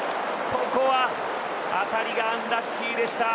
ここは当たりがアンラッキーでした。